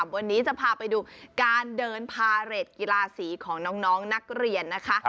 วันนี้จะพาไปดูการเดินพาเรทกีฬาสีของน้องนักเรียนนะคะ